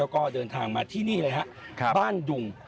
แล้วก็เดินทางมาที่นี่เลยฮะบ้านดุง